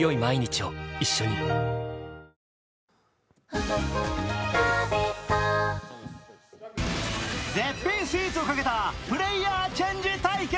おいしさプラス絶品スイーツをかけたプレイヤーチェンジ対決。